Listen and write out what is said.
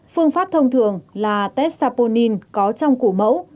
phương pháp thông thường là test saponin có trong củ mẫu